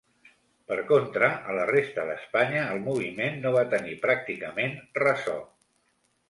Per contra, a la resta d'Espanya el moviment no va tenir pràcticament ressò.